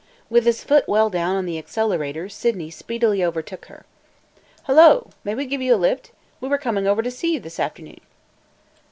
With his foot well down on the accelerator, Sydney speedily overtook her. "Hello! May we give you a lift? We were coming over to see you this afternoon."